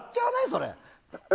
それ。